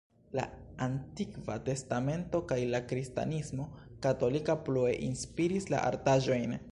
La Antikva Testamento kaj la kristanismo katolika plue inspiris la artaĵojn.